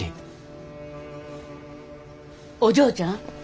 お嬢ちゃん。